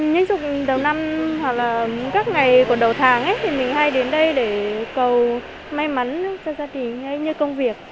nhân dục đầu năm hoặc là các ngày của đầu tháng thì mình hay đến đây để cầu may mắn cho gia đình hay như công việc